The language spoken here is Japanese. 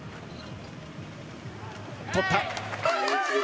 取った。